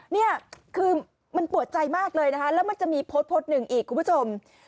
นี่คือมันปวดใจมากเลยนะคะแล้วมันจะมีโพสต์โพสต์หนึ่งอีกคุณผู้ชม